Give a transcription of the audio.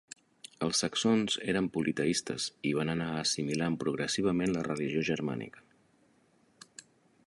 Els saxons eren politeistes i van anar assimilant progressivament la religió germànica.